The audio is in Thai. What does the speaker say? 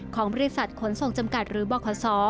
ของบริษัทขนส่งจำกัดหรือบข